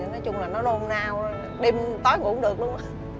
nói chung là nó nôn nao đêm tối cũng được luôn